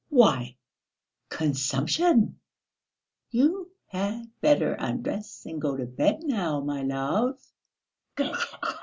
"Why, consumption! You had better undress and go to bed now, my love